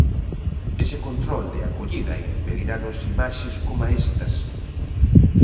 Ese control de acollida impediranos imaxes coma estás.